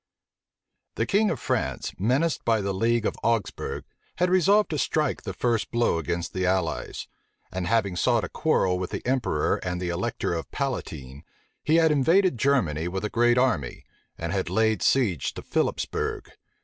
The king of France, menaced by the league of Augsbourg, had resolved to strike the first blow against the allies; and having sought a quarrel with the emperor and the elector Palatine, he had invaded Germany with a great Army, and had laid siege to Philipsbourg.